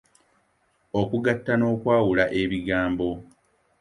Okugatta n’okwawula ebigambo.